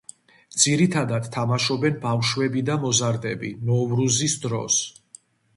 ძირითადად თამაშობენ ბავშვები და მოზარდები, ნოვრუზის დროს.